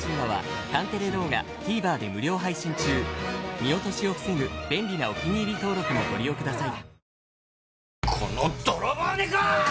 見落としを防ぐ便利なお気に入り登録もご利用ください。